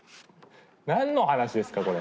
何の話ですかこれ。